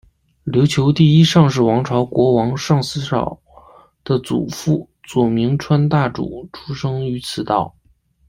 琉球第一尚氏王朝国王尚思绍的祖父佐铭川大主出生于此岛。